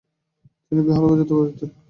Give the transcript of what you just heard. তিনি বেহালা বাজাতে পারতেন।